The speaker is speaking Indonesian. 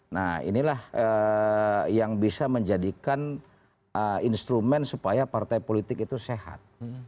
nah inilah yang bisa menjadikan instrumen supaya partai politik itu sehat